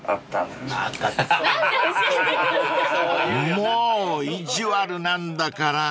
［もう意地悪なんだから］